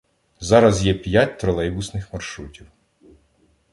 Зараз є п'ять тролейбусних маршрутів.